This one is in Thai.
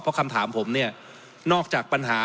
เพราะคำถามผมนอกจากปัญหา